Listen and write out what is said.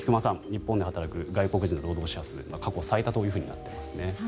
日本で働く外国人労働者過去最多となっていますね。